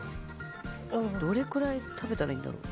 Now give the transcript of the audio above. どれくらい食べたらいいんだろう。